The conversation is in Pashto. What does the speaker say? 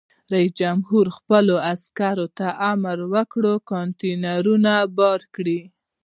رئیس جمهور خپلو عسکرو ته امر وکړ؛ کانټینرونه بار کړئ!